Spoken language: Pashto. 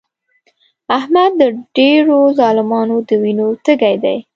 احمد د ډېرو ظالمانو د وینو تږی دی.